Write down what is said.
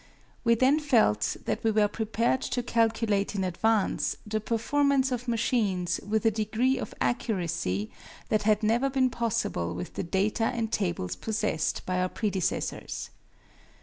We then felt that we were prepared to calculate in advance the performance of machines with a degree of accuracy that had never been possible with the data and tables possessed by our predecessors.